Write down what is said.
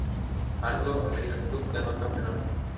Anglo-American Club ganó el campeonato.